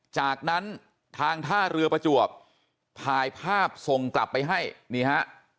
จากนั้นทางท่าเรือประจวบถ่ายภาพส่งกลับไปให้นี่ฮะ